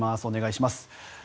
お願いします。